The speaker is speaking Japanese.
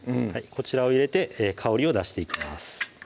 こちらを入れて香りを出していきます